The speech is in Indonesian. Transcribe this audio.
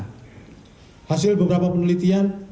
pencengahan bencana dapat mengurangi kerugian akibat bencana